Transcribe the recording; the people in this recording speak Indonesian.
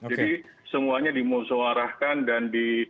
jadi semuanya dimusuharahkan dan di